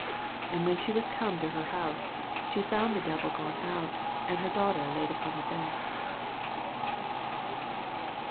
30 And when she was come to her house, she found the devil gone out, and her daughter laid upon the bed.